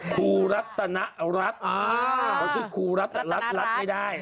ครูรัตนรัฐเขาชื่อครูรัฐแต่รัฐรัฐไม่ได้